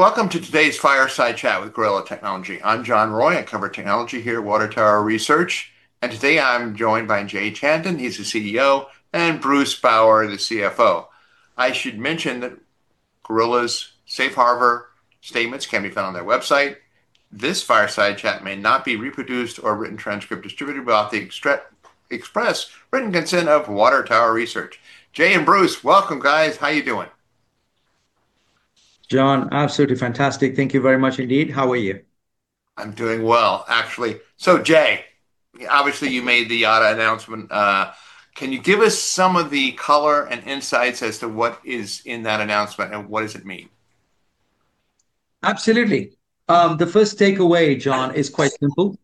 Welcome to today's Fireside Chat with Gorilla Technology. I'm John Roy, I cover technology here at Water Tower Research. Today I'm joined by Jay Chandan, he's the CEO, and Bruce Bower, the CFO. I should mention that Gorilla's Safe Harbor statements can be found on their website. This Fireside Chat may not be reproduced, or written transcript distributed without the express written consent of Water Tower Research. Jay and Bruce, welcome, guys. How you doing? John, absolutely fantastic. Thank you very much indeed. How are you? I'm doing well, actually. Jay, obviously you made the Yotta announcement. Can you give us some of the color, and insights as to what is in that announcement? And what does it mean? Absolutely. The first takeaway, John, is quite simple.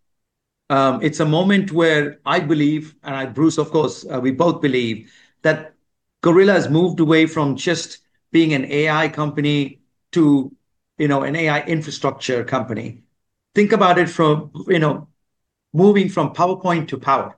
It's a moment where I believe, and Bruce, of course. We both believe that Gorilla has moved away from just being an AI company to, you know, an AI infrastructure company. Think about it from, you know, moving from PowerPoint to power.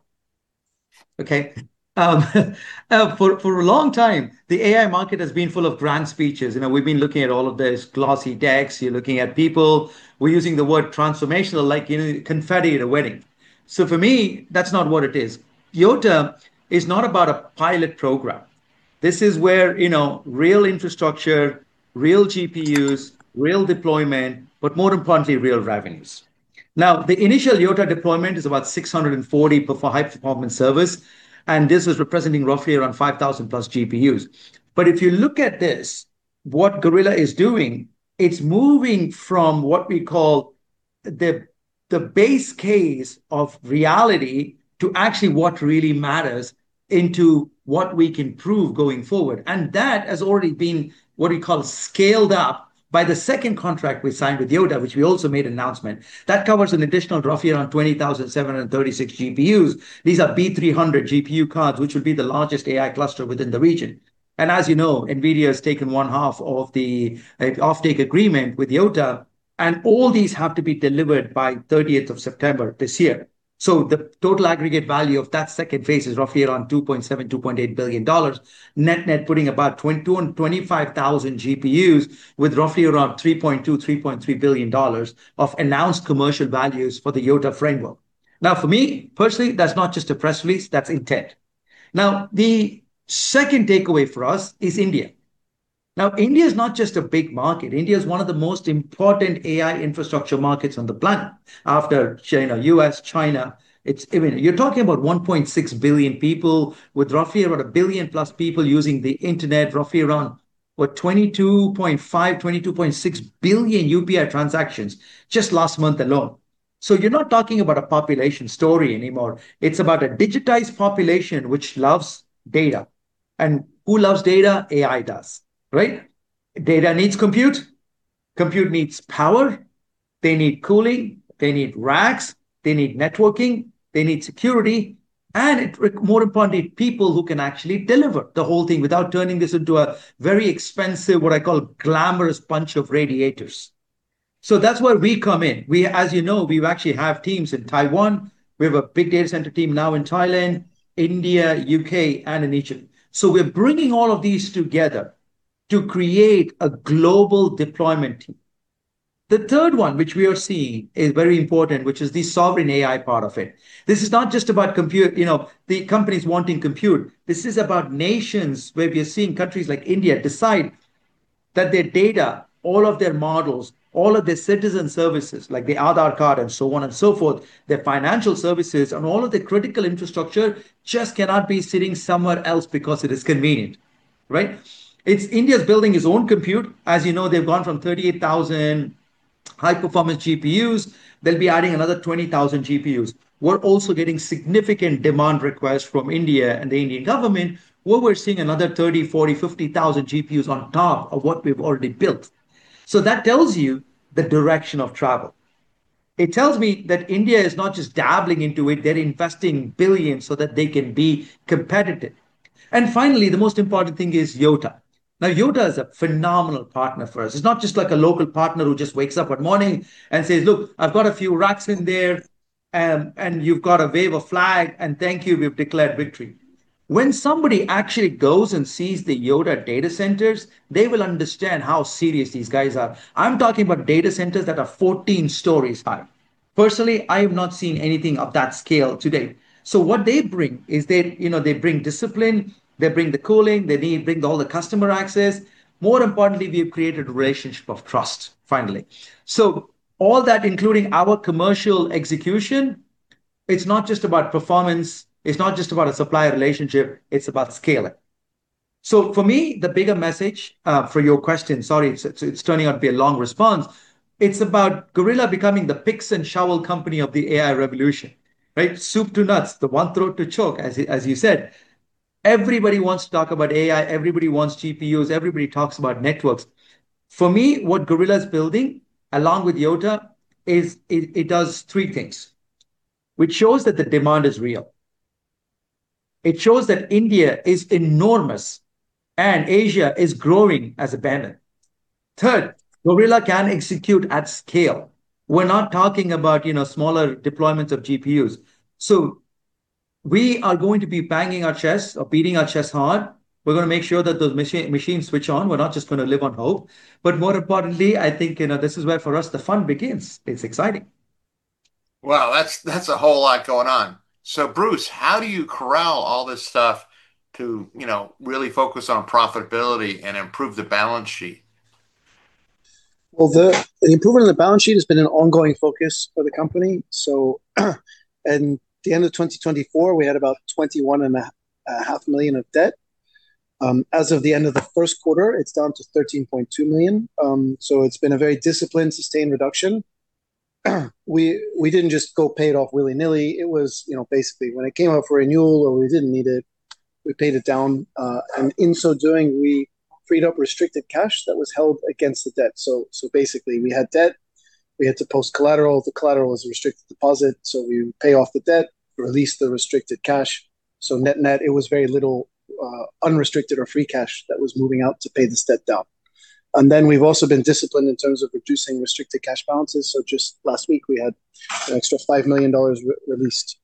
Okay. For a long time, the AI market has been full of grand speeches. You know, we've been looking at all of those glossy decks. You're looking at people. We're using the word transformational like, you know, confetti at a wedding. For me, that's not what it is. Yotta is not about a pilot program. This is where, you know, real infrastructure, real GPUs, real deployment, but more importantly, real revenues. The initial Yotta deployment is about 640 high-performance servers. And this is representing roughly 5,000+ GPUs. If you look at this, what Gorilla is doing, it's moving from what we call the base case of reality. To actually what really matters into what we can prove going forward. That has already been, what we call, scaled up by the second contract we signed with Yotta, which we also made announcement. That covers an additional roughly 20,736 GPUs. These are B300 GPU cards, which will be the largest AI cluster within the region. As you know, NVIDIA has taken one half of the offtake agreement with Yotta. And all these have to be delivered by 30th of September this year. The total aggregate value of that second phase is roughly around $2.7 billion-$2.8 billion. Net-net putting about 22,000 and 25,000 GPUs. With roughly around $3.2 billion-$3.3 billion, of announced commercial values for the Yotta framework. For me, personally, that's not just a press release. That's intent. The second takeaway for us is India. India is not just a big market. India is one of the most important AI infrastructure markets on the planet after China, U.S., China. You're talking about 1.6 billion people with roughly about 1 billion+ people using the internet. Roughly around, what, 22.5 billion-22.6 billion UPI transactions just last month alone. You're not talking about a population story anymore. It's about a digitized population which loves data. Who loves data? AI does, right? Data needs compute. Compute needs power. They need cooling. They need racks. They need networking. They need security, more importantly, people who can actually deliver. The whole thing without turning this into a very expensive. What I call, glamorous bunch of radiators. That's where we come in. We, as you know, we actually have teams in Taiwan. We have a big data center team now in Thailand, India, U.K., and in Egypt. We're bringing all of these together to create a global deployment team. The third one, which we are seeing, is very important, which is the sovereign AI part of it. This is not just about compute, you know, the companies wanting compute. This is about nations where we are seeing countries like India decide. That their data, all of their models, all of their citizen services. Like the Aadhaar card, and so on and so forth. Their financial services, and all of the critical infrastructure. Just cannot be sitting somewhere else because it is convenient, right? India is building its own compute. As you know, they've gone from 38,000 high-performance GPUs. They'll be adding another 20,000 GPUs. We're also getting significant demand requests from India, and the Indian government. Where we're seeing another 30,000, 40,000, 50,000 GPUs on top of what we've already built. That tells you the direction of travel. It tells me that India is not just dabbling into it. They're investing billions so that they can be competitive. Finally, the most important thing is Yotta. Now, Yotta is a phenomenal partner for us. It's not just like a local partner who just wakes up one morning. And says, "Look, I've got a few racks in there, and you've got to wave a flag, and thank you, we've declared victory." When somebody actually goes, and sees the Yotta data centers, they will understand how serious these guys are. I'm talking about data centers that are 14 stories high. Personally, I have not seen anything of that scale to date. What they bring is they, you know, they bring discipline. They bring the cooling. They bring all the customer access. More importantly, we have created a relationship of trust, finally. All that, including our commercial execution, it's not just about performance. It's not just about a supplier relationship. It's about scaling. For me, the bigger message, for your question, sorry, it's turning out to be a long response. It's about Gorilla becoming the picks, and shovel company of the AI revolution, right? Soup to nuts, the one throat to choke, as you said. Everybody wants to talk about AI. Everybody wants GPUs. Everybody talks about networks. For me, what Gorilla is building along with Yotta. It does three things, which shows that the demand is real. It shows that India is enormous, and Asia is growing as a banner. Third, Gorilla can execute at scale. We're not talking about, you know, smaller deployments of GPUs. We are going to be banging our chest or beating our chest hard. We're gonna make sure that those machines switch on. We're not just gonna live on hope. More importantly, I think, you know, this is where for us the fun begins. It's exciting. Well, that's a whole lot going on. Bruce, how do you corral all this stuff to, you know, really focus on profitability, and improve the balance sheet? The improvement in the balance sheet has been an ongoing focus for the company. At the end of 2024, we had about $21.5 million of debt. As of the end of the first quarter, it's down to $13.2 million. It's been a very disciplined, sustained reduction. We didn't just go pay it off willy-nilly. It was, you know, basically when it came up for renewal or we didn't need it, we paid it down. In so doing, we freed up restricted cash. That was held against the debt. Basically, we had debt, we had to post collateral. The collateral was a restricted deposit, we would pay off the debt, release the restricted cash. Net-net, it was very little unrestricted or free cash that was moving out to pay this debt down. We've also been disciplined in terms of reducing restricted cash balances. So just last week we had an extra $5 million released.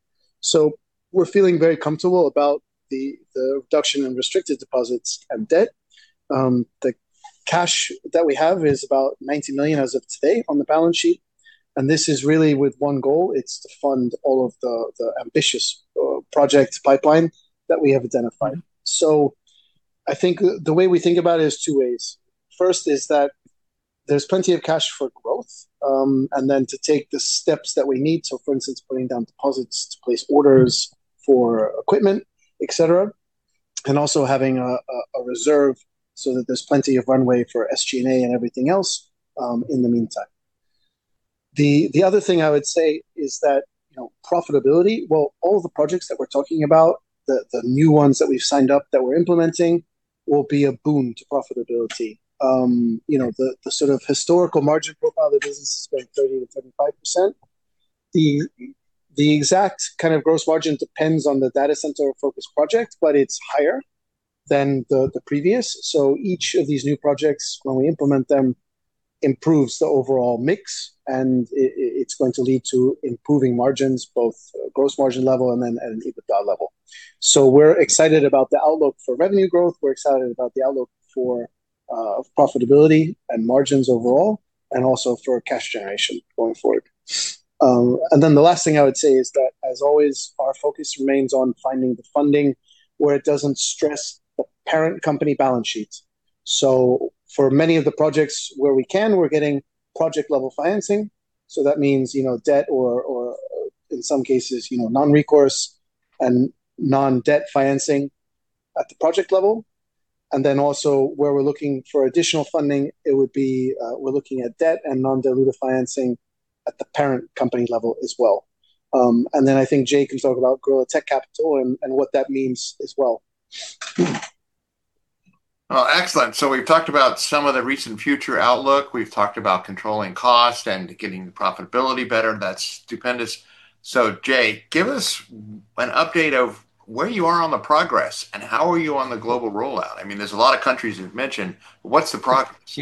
We're feeling very comfortable about the reduction in restricted deposits, and debt. The cash that we have is about $19 million as of today on the balance sheet, and this is really with one goal. It's to fund all of the ambitious project pipeline, that we have identified. I think the way we think about it is two ways. First is that there's plenty of cash for growth, and then to take the steps that we need. So, for instance, putting down deposits to place orders for equipment, et cetera. And also having a reserve so that there's plenty of runway for SG&A, and everything else in the meantime. The other thing I would say is that, you know, profitability, all the projects that we're talking about. The new ones that we've signed up that we're implementing, will be a boon to profitability. You know, the sort of historical margin profile of the business has been 30%-35%. The exact kind of gross margin depends on the data center of focus project, but it's higher than the previous. Each of these new projects, when we implement them. Improves the overall mix, and it's going to lead to improving margins. Both gross margin level, and then at an EBITDA level. We're excited about the outlook for revenue growth. We're excited about the outlook for profitability, and margins overall, and also for cash generation going forward. The last thing I would say is that, as always, our focus remains on finding the funding. Where it doesn't stress the parent company balance sheets. For many of the projects where we can, we're getting project-level financing. So that means, you know, debt or in some cases, you know, non-recourse, and non-debt financing at the project level. Also, where we're looking for additional funding. It would be, we're looking at debt, and non-dilutive financing at the parent company level as well. I think Jay can talk about Gorilla Tech Capital, and what that means as well. Oh, excellent. We've talked about some of the recent future outlook. We've talked about controlling cost, and getting the profitability better. That's stupendous. Jay, give us an update of where you are on the progress? And how are you on the global rollout. I mean, there's a lot of countries you've mentioned. What's the progress?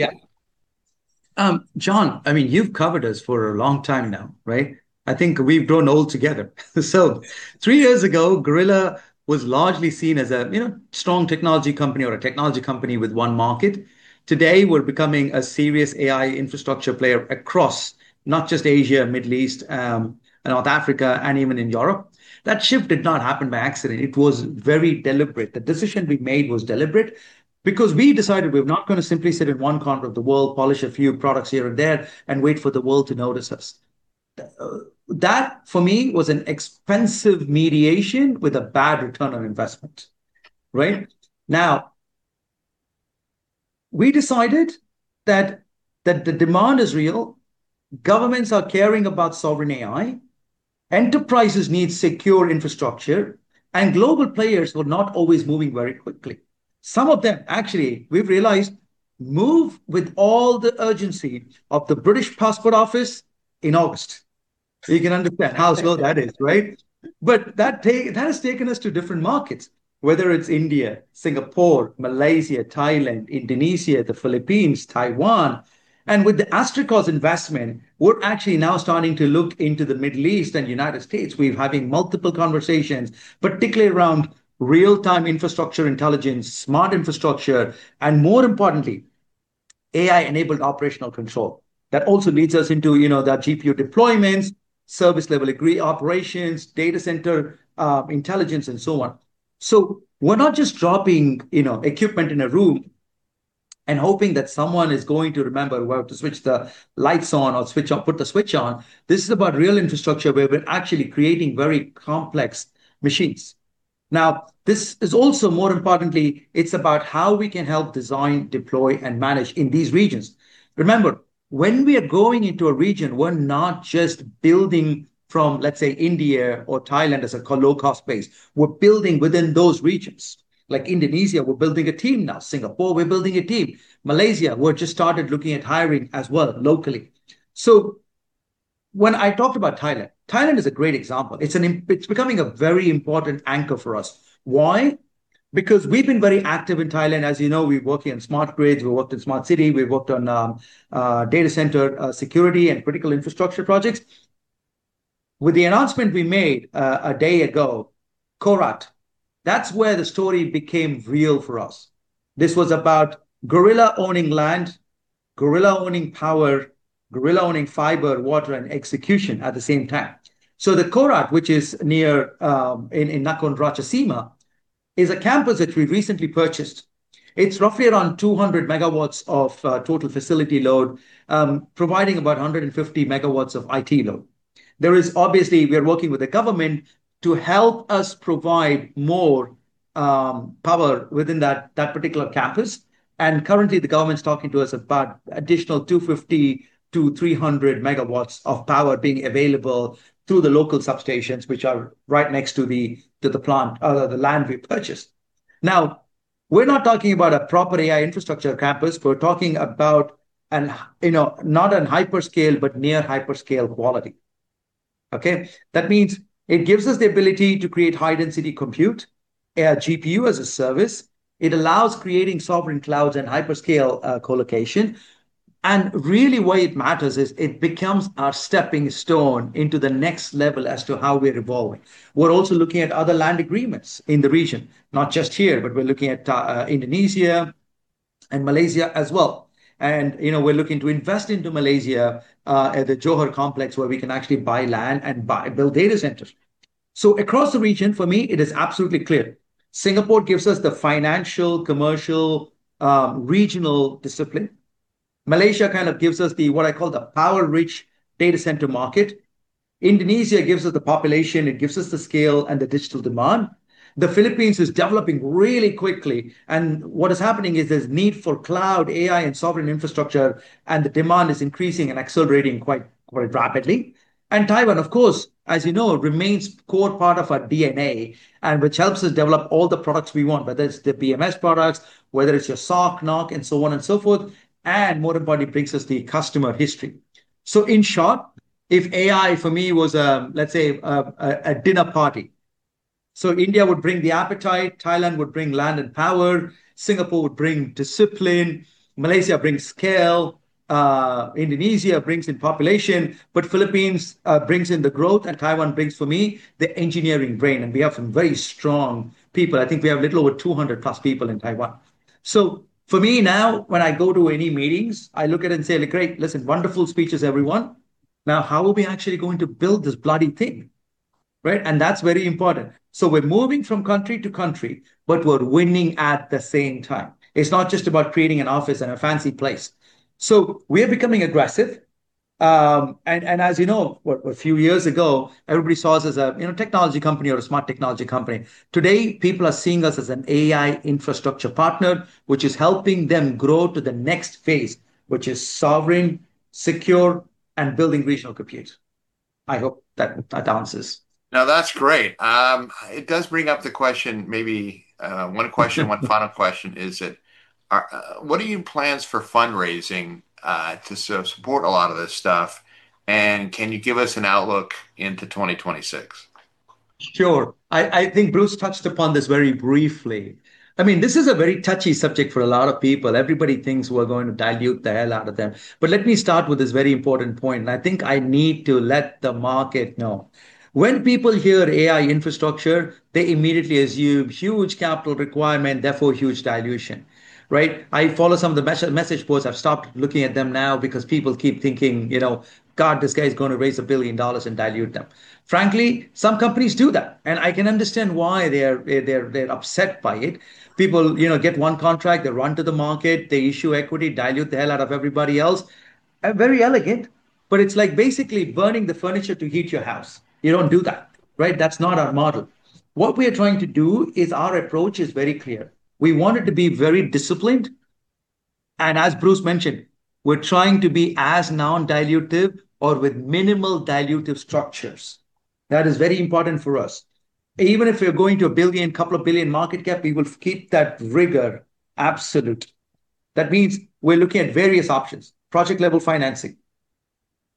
John, I mean, you've covered us for a long time now, right? I think we've grown old together. Three years ago, Gorilla was largely seen as a, you know, strong technology company or a technology company with one market. Today, we're becoming a serious AI infrastructure player across not just Asia, Middle East, and North Africa, and even in Europe. That shift did not happen by accident. It was very deliberate. The decision we made was deliberate, because we decided we're not gonna simply sit in one corner of the world. Polish a few products here, and there. And wait for the world to notice us. That, for me, was an expensive mediation with a bad return on investment, right? We decided that the demand is real, governments are caring about sovereign AI. Enterprises need secure infrastructure, and global players were not always moving very quickly. Some of them, actually, we've realized, move with all the urgency of the HM Passport Office in August. You can understand how slow that is, right? That has taken us to different markets. Whether it's India, Singapore, Malaysia, Thailand, Indonesia, the Philippines, Taiwan. With the Astrikos.ai investment, we're actually now starting to look into the Middle East, and U.S. We're having multiple conversations, particularly around real-time infrastructure intelligence, smart infrastructure, and more importantly, AI-enabled operational control. That also leads us into, you know, the GPU deployments. Service level agree operations, data center intelligence, and so on. We're not just dropping, you know, equipment in a room. And hoping that someone is going to remember where to switch the lights on or put the switch on. This is about real infrastructure where we're actually creating very complex machines. This is also, more importantly, it's about how we can help design, deploy, and manage in these regions. Remember, when we are going into a region, we're not just building from, let's say, India or Thailand as a low-cost base. We're building within those regions. Like Indonesia, we're building a team now. Singapore, we're building a team. Malaysia, we're just started looking at hiring as well locally. When I talked about Thailand is becoming a very important anchor for us. Why? Because we've been very active in Thailand. As you know, we're working on smart grids. We worked in smart city, we worked on data center security, and critical infrastructure projects. With the announcement we made a day ago. Korat, that's where the story became real for us. This was about Gorilla owning land, Gorilla owning power. Gorilla owning fiber, water, and execution at the same time. The Korat, which is near in Nakhon Ratchasima. Is a campus that we recently purchased. It's roughly around 200 MW of total facility load, providing about 150 MW of IT load. There is, obviously, we are working with the government. To help us provide more power within that particular campus. Currently the government's talking to us about additional 250 MW-300 MW of power being available. Through the local substations, which are right next to the plant, the land we purchased. We're not talking about a proper AI infrastructure campus. We're talking about a, you know, not a hyperscale, but near hyperscale quality. That means it gives us the ability to create high-density compute, AI GPU as a service. It allows creating sovereign clouds, and hyperscale colocation. Really why it matters is it becomes our steppingstone. Into the next level as to how we're evolving. We're also looking at other land agreements in the region. Not just here, but we're looking at Indonesia, and Malaysia as well. You know, we're looking to invest into Malaysia, at the Johor complex. Where we can actually buy land, and build data centers. Across the region, for me, it is absolutely clear. Singapore gives us the financial, commercial, regional discipline. Malaysia kind of gives us the, what I call the power-rich data center market. Indonesia gives us the population. It gives us the scale and the digital demand. The Philippines is developing really quickly. And what is happening is there's need for cloud, AI, and sovereign infrastructure. And the demand is increasing, and accelerating quite rapidly. Taiwan, of course, as you know, remains core part of our DNA. Which helps us develop all the products we want, whether it's the BMS products. Whether it's your SOC, NOC, and so on, and so forth. And more importantly brings us the customer history. In short, if AI for me was a, let's say, a, a dinner party. India would bring the appetite, Thailand would bring land, and power, Singapore would bring discipline, Malaysia brings scale. Indonesia brings in population, but Philippines brings in the growth. And Taiwan brings for me the engineering brain, and we have some very strong people. I think we have a little over 200+ people in Taiwan. For me now, when I go to any meetings. I look at it, and say, "Great. Listen, wonderful speeches, everyone. Now, how are we actually going to build this bloody thing?" Right? That's very important. We're moving from country to country, but we're winning at the same time. It's not just about creating an office in a fancy place. We're becoming aggressive. As you know, a few years ago, everybody saw us as a, you know, technology company or a smart technology company. Today, people are seeing us as an AI infrastructure partner. Which is helping them grow to the next phase. Which is sovereign, secure, and building regional compute. I hope that answers. No, that's great. It does bring up the question, maybe, one final question is that. What are your plans for fundraising to support a lot of this stuff? And can you give us an outlook into 2026? Sure. I think Bruce touched upon this very briefly. I mean, this is a very touchy subject for a lot of people. Everybody thinks we're going to dilute the hell out of them. Let me start with this very important point, and I think I need to let the market know. When people hear AI infrastructure. They immediately assume huge capital requirement, therefore huge dilution, right? I follow some of the message boards. I've stopped looking at them now because people keep thinking, you know, "God, this guy's gonna raise $1 billion, and dilute them." Frankly, some companies do that, and I can understand why they're upset by it. People, you know, get one contract, they run to the market. They issue equity, dilute the hell out of everybody else. Very elegant, it's like basically burning the furniture to heat your house. You don't do that, right? That's not our model. What we are trying to do is our approach is very clear. We wanted to be very disciplined. As Bruce Bower mentioned, we're trying to be as non-dilutive or with minimal dilutive structures. That is very important for us. Even if we're going to a $1 billion, couple billion market cap. We will keep that rigor absolute. That means we're looking at various options. Project-level financing,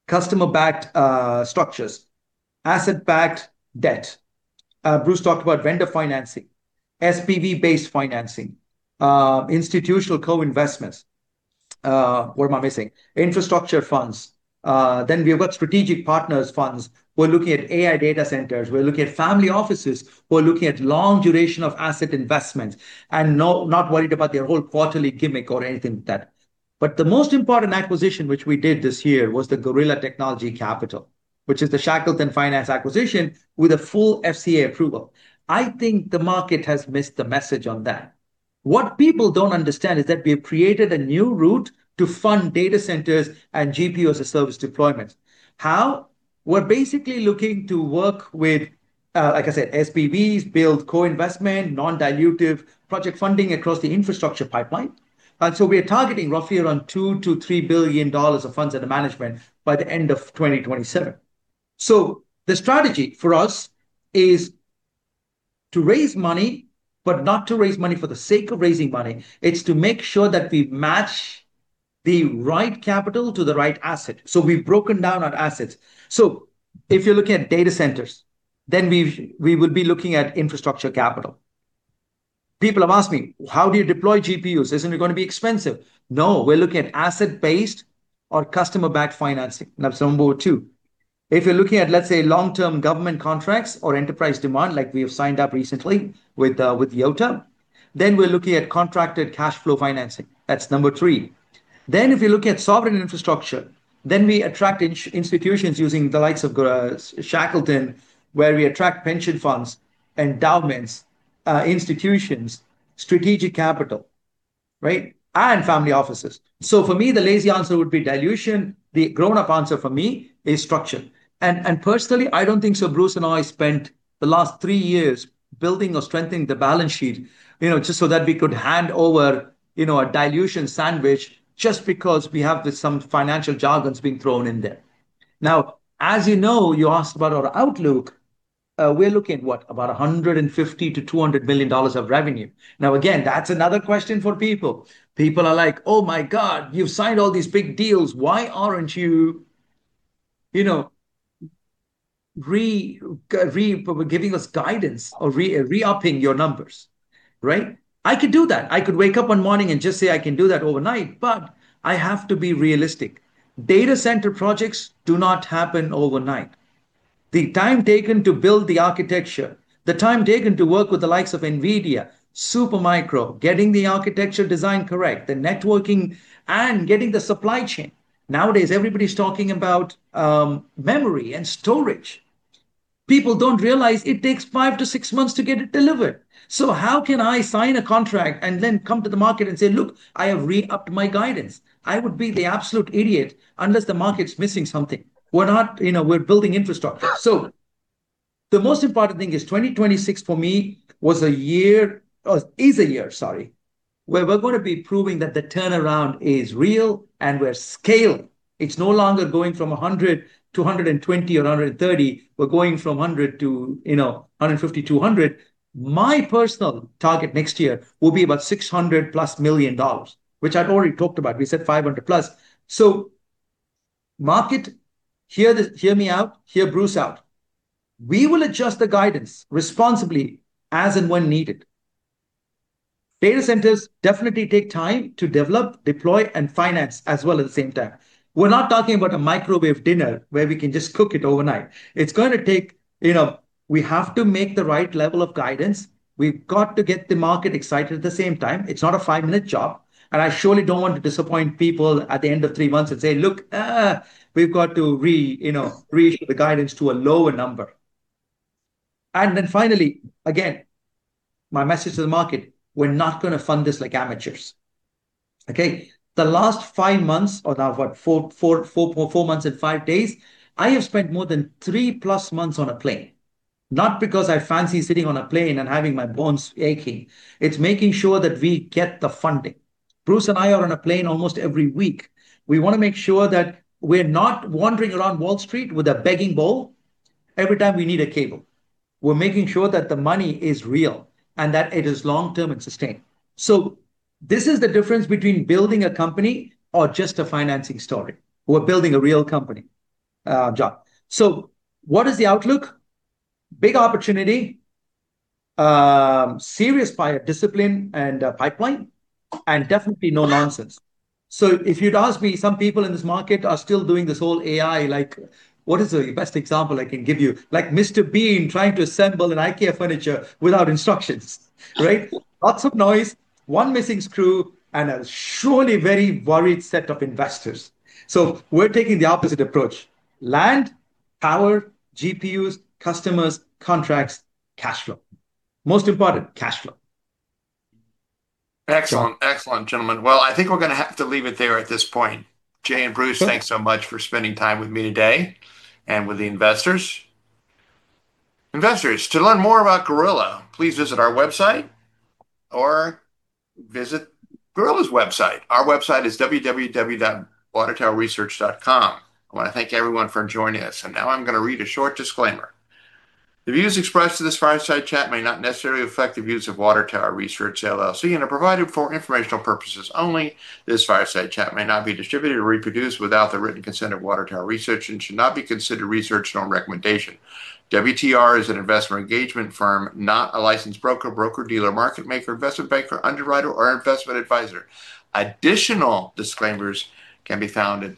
customer-backed structures, asset-backed debt. Bruce Bower talked about vendor financing, SPV-based financing, institutional co-investments. What am I missing? Infrastructure funds. We've got strategic partners funds. We're looking at AI data centers. We're looking at family offices. We're looking at long duration of asset investments, and not worried about their whole quarterly gimmick or anything like that. The most important acquisition which we did this year was the Gorilla Technology Capital. Which is the Shackleton Finance acquisition with a full FCA approval. I think the market has missed the message on that. What people don't understand is that we have created a new route. To fund data centers, and GPU as a service deployment. How? We're basically looking to work with, like I said, SPVs, build co-investment, non-dilutive project funding across the infrastructure pipeline. We are targeting roughly around $2 billion-$3 billion of funds under management by the end of 2027. The strategy for us is to raise money, but not to raise money for the sake of raising money. It's to make sure that we match the right capital to the right asset. We've broken down our assets. If you're looking at data centers, we would be looking at infrastructure capital. People have asked me, "How do you deploy GPUs? Isn't it gonna be expensive?" No, we're looking at asset-based or customer-backed financing. That's number two. If you're looking at, let's say, long-term government contracts or enterprise demand. Like we have signed up recently with Yotta, we're looking at contracted cashflow financing. That's number three. If you look at sovereign AI infrastructure, we attract institutions using the likes of Shackleton. Where we attract pension funds, endowments, institutions, strategic capital, right? Family offices. For me, the lazy answer would be dilution. The grown-up answer for me is structure. Personally, I don't think so Bruce, and I spent the last three years. Building or strengthening the balance sheet, you know, just so that we could hand over. You know, a dilution sandwich just because we have the some financial jargons being thrown in there. As you know, you asked about our outlook. We're looking at, what? About $150-$200 billion of revenue. Again, that's another question for people. People are like, "Oh my God, you've signed all these big deals. Why aren't you know, re-giving us guidance or re-upping your numbers," right? I could do that. I could wake up one morning, and just say I can do that overnight, but I have to be realistic. Data center projects do not happen overnight. The time taken to build the architecture. The time taken to work with the likes of NVIDIA, Supermicro, getting the architecture design correct, the networking, and getting the supply chain. Nowadays everybody's talking about memory, and storage. People don't realize it takes five-six months to get it delivered. How can I sign a contract, and then come to the market and say, "Look, I have re-upped my guidance."? I would be the absolute idiot, unless the market's missing something. We're not, you know, we're building infrastructure. The most important thing is 2026 for me was a year, is a year, sorry. Where we're gonna be proving that the turnaround is real, and we're scaling. It's no longer going from 100-120 or 130. We're going from 100 to, you know, 150, 200. My personal target next year will be about $600+ million, which I've already talked about. We said $500+. Market, hear this, hear me out, hear Bruce out. We will adjust the guidance responsibly as, and when needed. Data centers definitely take time to develop, deploy, and finance as well at the same time. We're not talking about a microwave dinner where we can just cook it overnight. It's gonna take. You know, we have to make the right level of guidance. We've got to get the market excited at the same time. It's not a five-minute job, and I surely don't want to disappoint people at the end of three months and say, "Look, we've got to, you know, reissue the guidance to a lower number." Finally, again, my message to the market, we're not gonna fund this like amateurs. Okay. The last five months, or now what? Four months, and five days, I have spent more than 3+ months on a plane. Not because I fancy sitting on a plane, and having my bones aching. It's making sure that we get the funding. Bruce Bower, and I are on a plane almost every week. We wanna make sure that we're not wandering around Wall Street with a begging bowl every time we need a cable. We're making sure that the money is real, and that it is long-term and sustained. This is the difference between building a company or just a financing story. We're building a real company, John. What is the outlook? Big opportunity, serious buyer discipline, and pipeline, and definitely no nonsense. If you'd ask me, some people in this market are still doing this whole AI like What is the best example I can give you? Like Mr. Bean trying to assemble an IKEA furniture without instructions, right? Lots of noise, one missing screw, and a surely very worried set of investors. We're taking the opposite approach. Land, power, GPUs, customers, contracts, cash flow. Most important, cash flow. Excellent. John. Excellent, gentlemen. Well, I think we're gonna have to leave it there at this point. Jay and Bruce. Sure. Thanks so much for spending time with me today, and with the investors. Investors, to learn more about Gorilla, please visit our website or visit Gorilla's website. Our website is www.watertowerresearch.com. I wanna thank everyone for joining us. Now I'm gonna read a short disclaimer. The views expressed in this fireside chat may not necessarily reflect the views of Water Tower Research LLC. And are provided for informational purposes only. This fireside chat may not be distributed or reproduced without the written consent of Water Tower Research. And should not be considered research nor a recommendation. WTR is an investor engagement firm, not a licensed broker-dealer, market maker, investment banker, underwriter, or investment adviser. Additional disclaimers can be found at.